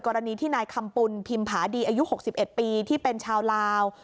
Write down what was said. กรณีที่นายคำปุ่นพิมผาดีอายุ๖๑ปีที่เป็นชาวลาว